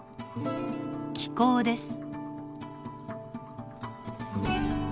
気孔です。